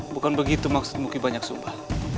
bukan begitu maksudmu kibanyak sumba